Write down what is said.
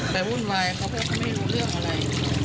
ไปวุ่นวายเพราะว่าเขาไม่รู้เรื่องอะไร